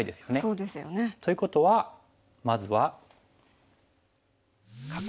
そうですよね。ということはまずは。